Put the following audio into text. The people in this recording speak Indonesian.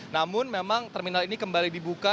namun memang terminal ini kembali dibuka